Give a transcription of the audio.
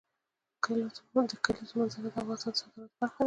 د کلیزو منظره د افغانستان د صادراتو برخه ده.